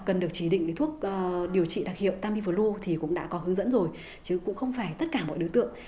cần được chỉ định thuốc điều trị đặc hiệu tamiflu thì cũng đã có hướng dẫn rồi chứ cũng không phải tất cả mọi đối tượng